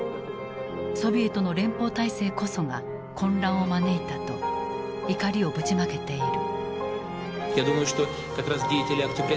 ソビエトの連邦体制こそが混乱を招いたと怒りをぶちまけている。